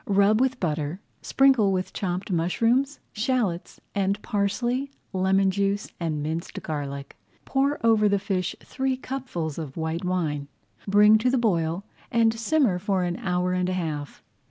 Rub with butter, sprinkle with chopped mushrooms, shallots, and parsley, lemon juice, and minced garlic. Pour over the fish three cupfuls of white wine, bring to the boil, and simmer for an hour and a half.